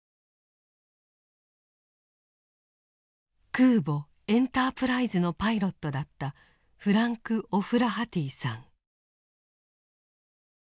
空母「エンタープライズ」のパイロットだったフランク・オフラハティさん。